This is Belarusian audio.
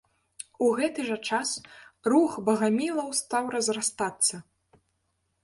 У гэты жа час рух багамілаў стаў разрастацца.